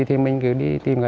thì mình cứ đi